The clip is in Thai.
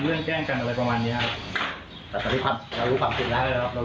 เรื่องแก้งกันอะไรประมาณนี้ครับแต่ตอนนี้เรารู้ความผิดแล้วครับ